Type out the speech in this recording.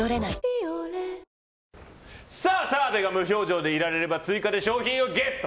「ビオレ」澤部が無表情でいられれば追加で賞品をゲット！